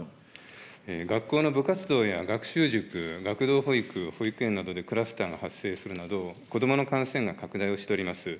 学校の部活動や学習塾、学童保育、保育園などでクラスターが発生するなど、子どもの感染が拡大をしております。